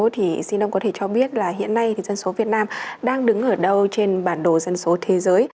thì xin ông có thể cho biết là hiện nay thì dân số việt nam đang đứng ở đâu trên bản đồ dân số thế giới